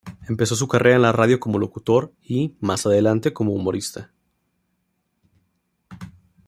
Empezó su carrera en la radio como locutor y, más adelante, como humorista.